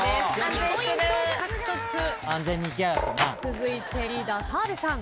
続いてリーダー澤部さん。